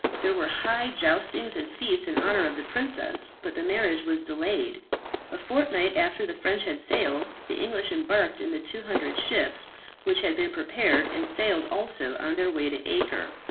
There were high joustings and fetes in honour of the princess, but the marriage was delayed. A fortnight after the French had sailed, the English embarked in the 200 ships, which had been prepared, and sailed also on their way to Acre.